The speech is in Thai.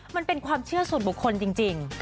มันเป็นความเชื่อส่วนบุคคลจริง